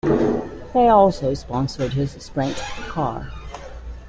They also sponsored his sprint car.